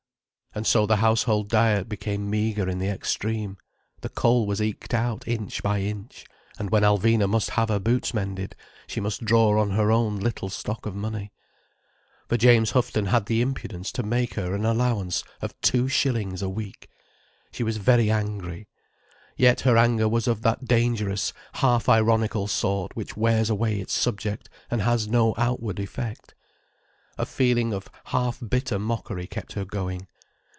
And so the household diet became meagre in the extreme, the coal was eked out inch by inch, and when Alvina must have her boots mended she must draw on her own little stock of money. For James Houghton had the impudence to make her an allowance of two shillings a week. She was very angry. Yet her anger was of that dangerous, half ironical sort which wears away its subject and has no outward effect. A feeling of half bitter mockery kept her going.